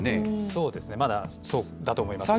そうですね、まだ、そうだと思います。